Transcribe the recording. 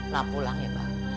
lah pulang ya mbah